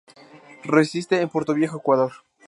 Reside en Portoviejo, Ecuador.